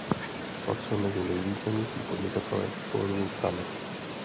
Patřil mezi nejvýznamnější podnikatele v Korutanech.